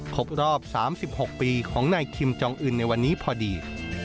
ครบรอบ๓๖ปีของนายคิมจองอื่นในวันนี้พอดี